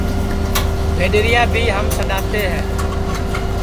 بھیڈؔیریا بھی ہم سڈؔاتے ہے